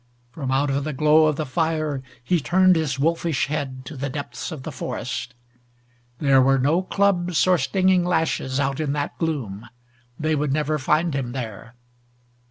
From out of the glow of the fire he turned his wolfish head to the depths of the forest. There were no clubs or stinging lashes out in that gloom. They would never find him there.